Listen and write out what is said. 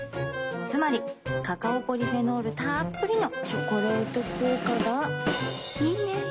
つまりカカオポリフェノールたっぷりの「チョコレート効果」がいいね。